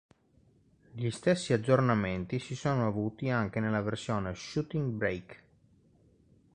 Gli stessi aggiornamenti si sono avuti anche nella versione "Shooting Brake".